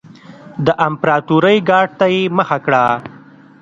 د امپراتورۍ ګارډ ته یې مخه کړه.